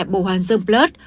bổ hoàn dương plus